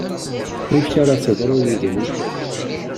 Amek ara teḍru yid-wen?